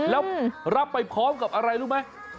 แล้วรับไปพร้อมกับอะไรรู้ไหม